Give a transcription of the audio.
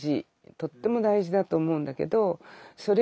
とっても大事だと思うんだけどそれ